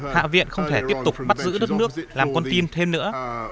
hạ viện không thể tiếp tục bắt giữ đất nước làm con tim thêm nữa